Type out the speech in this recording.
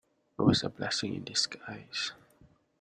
It was a blessing in disguise.